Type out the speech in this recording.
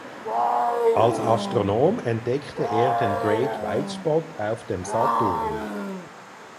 Als Astronom entdeckte er den Great White Spot auf dem Saturn.